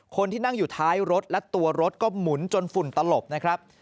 คนที่นั่งอยู่ท้ายรถและตัวรถก็หมุนจนฝุ่นตลบนะครับ